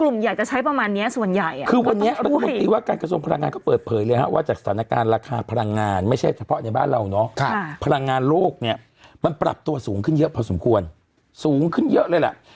มันปรับตัวสูงขึ้นเยอะพอสมควรสูงขึ้นเยอะเลยแหละ